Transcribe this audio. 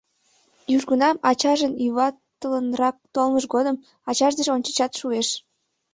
Южгунам, ачажын юватылынрак толмыж годым, ачаж деч ончычат шуэш.